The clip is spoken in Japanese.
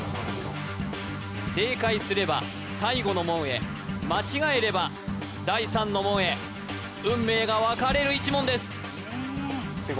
正解すれば最後の門へ間違えれば第三の門へ運命が分かれる１問です結構